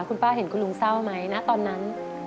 คุณป้าเห็นคุณลุงเศร้าไหมณตอนนั้น